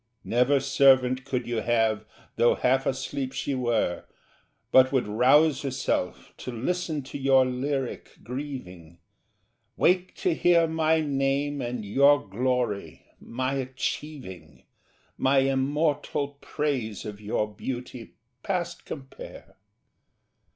Never servant could you have, tho' half asleep she were, But would rouse herself to listen to your lyric grieving, Wake to hear my name and your glory, my achieving, My immortal praise of your beauty past compare.